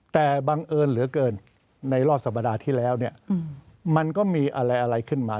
แต่บังเอิญเหลือเกินในรอบสัปดาห์ที่แล้วเนี่ยมันก็มีอะไรขึ้นมา